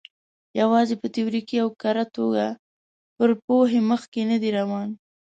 یوازې په تیوریکي او کره توګه پر پوهې مخکې نه دی روان.